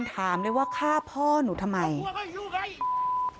โชว์บ้านในพื้นที่เขารู้สึกยังไงกับเรื่องที่เกิดขึ้น